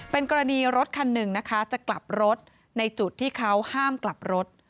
เป็นกรณีรถคันหนึ่งนะคะจะกลับรถในจุดที่เขาห้ามกลับรถ